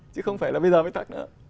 chứ không phải là bây giờ mới tắt nữa